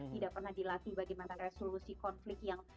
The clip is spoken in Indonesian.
tidak pernah dilatih bagaimana resolusi konflik yang